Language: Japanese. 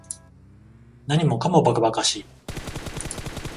何もかも馬鹿馬鹿しい